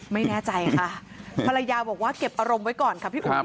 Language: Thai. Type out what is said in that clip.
ไม่แน่ใจค่ะภรรยาบอกว่าเก็บอารมณ์ไว้ก่อนค่ะพี่อุ๋ย